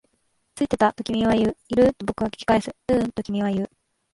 ついてた、と君は言う。いる？と僕は聞き返す。ううん、と君は言う。